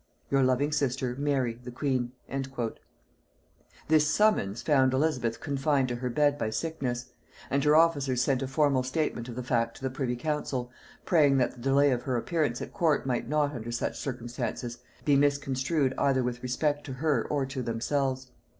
"Your loving sister, "MARY, the queen." This summons found Elizabeth confined to her bed by sickness; and her officers sent a formal statement of the fact to the privy council, praying that the delay of her appearance at court might not, under such circumstances, be misconstrued either with respect to her or to themselves.